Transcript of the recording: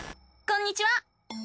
こんにちは！